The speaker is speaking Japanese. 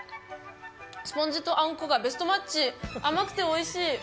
スポンジとあんこがベストマッチ甘くておいしい！